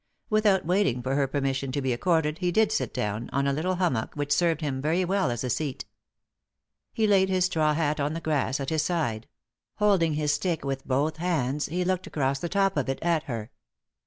Without waiting for her permission to be accorded he did sit down, on a little hummock, which served him very well as a seat. He laid his straw hat on the grass at his side ; holding his stick with both hands he looked across the top of it at her.